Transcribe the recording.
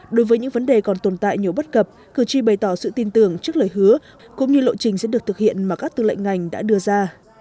đối với những vấn đề còn tồn tại nhiều bất cập cử tri bày tỏ sự tin tưởng trước lời hứa cũng như lộ trình sẽ được thực hiện mà các tư lệnh ngành đã đưa ra